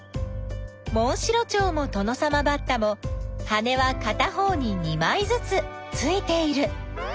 モンシロチョウもトノサマバッタも羽はかた方に２まいずつついている。